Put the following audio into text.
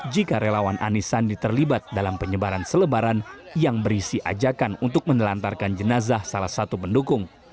jika relawan anies sandi terlibat dalam penyebaran selebaran yang berisi ajakan untuk menelantarkan jenazah salah satu pendukung